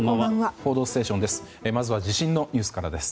「報道ステーション」です。